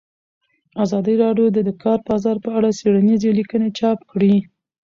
ازادي راډیو د د کار بازار په اړه څېړنیزې لیکنې چاپ کړي.